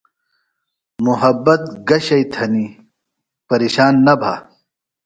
محبت گہ شئی تھنی پریشان نہ بھہ۔